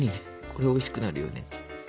これおいしくなるよね。